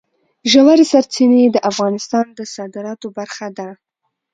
ژورې سرچینې د افغانستان د صادراتو برخه ده.